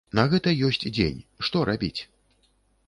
На гэта ёсць дзень, што рабіць?